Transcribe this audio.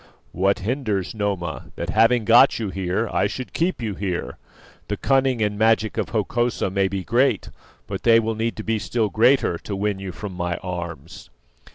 "What hinders, Noma, that having got you here I should keep you here? The cunning and magic of Hokosa may be great, but they will need to be still greater to win you from my arms."